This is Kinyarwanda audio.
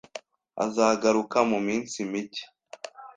Azagaruka muminsi mike